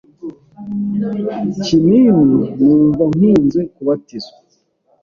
kinini numva nkunze kubatizwa,